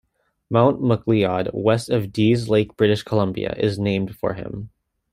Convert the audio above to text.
Mount McLeod, west of Dease Lake, British Columbia, is named for him.